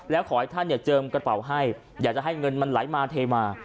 แล้วขอให้ท่านเจิมกระเป๋าให้อยากจะให้เงินมันไหลมาเทมา